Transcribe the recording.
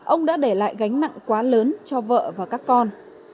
ông đã để lại gánh nặng quá lớn cho vợ và các con